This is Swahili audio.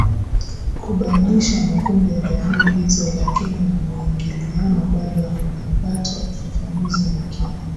kubainisha makundi ya jamii hizo lakini muingiliano bado haujapata ufafanuzi makini